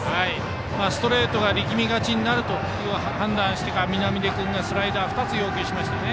ストレートが力みがちになると判断してから南出君がスライダーを２つ要求しましたね。